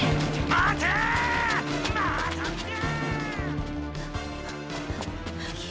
待たんか！